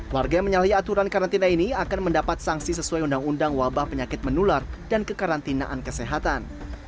warga yang menyalahi aturan karantina ini akan mendapat sanksi sesuai undang undang wabah penyakit menular dan kekarantinaan kesehatan